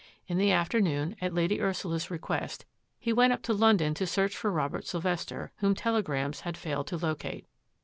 In the afternoon, at Lady Ursula's request, he went up to London to search for Robert Sylvester, whom telegrams had failed to locate.